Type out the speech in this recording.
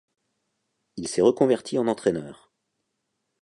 Il s'est reconverti en entraîneur.